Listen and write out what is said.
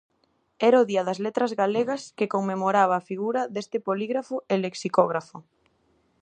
Era o día das Letras Galegas que conmemoraba a figura deste polígrafo e lexicógrafo.